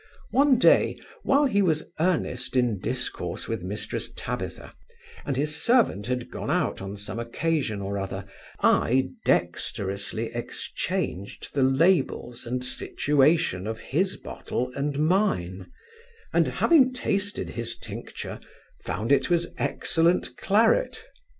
One day, while he was earnest in discourse with Mrs Tabitha, and his servant had gone out on some occasion or other, I dexterously exchanged the labels, and situation of his bottle and mine; and having tasted his tincture, found it was excellent claret.